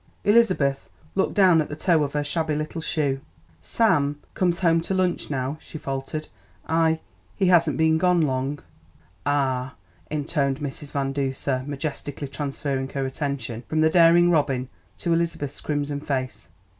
Elizabeth looked down at the toe of her shabby little shoe. "Sam comes home to lunch now," she faltered. "I he hasn't been gone long." "Ah!" intoned Mrs. Van Duser, majestically transferring her attention from the daring robin to Elizabeth's crimson face.